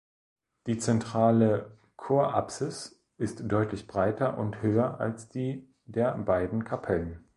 Die zentrale Chorapsis ist deutlich breiter und höher als die der beiden Kapellen.